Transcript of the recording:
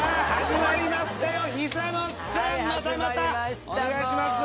またまたお願いします。